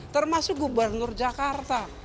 termasuk gubernur jakarta